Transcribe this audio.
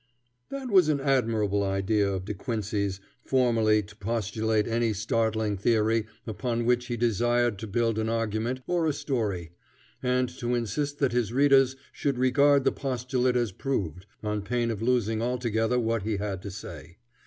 That was an admirable idea of De Quincey's, formally to postulate any startling theory upon which he desired to build an argument or a story, and to insist that his readers should regard the postulate as proved, on pain of losing altogether what he had to say.